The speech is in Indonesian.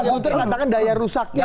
mas gunter ngatakan daya rusaknya